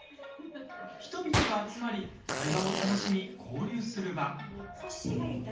人々が集まり会話を楽しみ交流する場。